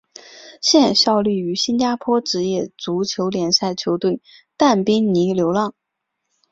现效力于新加坡职业足球联赛球队淡滨尼流浪。